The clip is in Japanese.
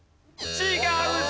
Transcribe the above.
違うぞ！